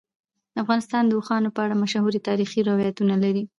افغانستان د اوښانو په اړه مشهور تاریخی روایتونه لري.